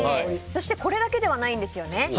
そしてこれだけではないんですよね。